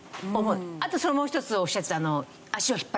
あともう一つおっしゃってた。